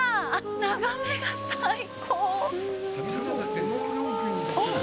眺めが最高！